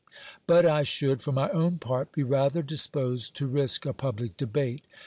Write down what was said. But I should, for my own part, be rather disposed to risk a public debate.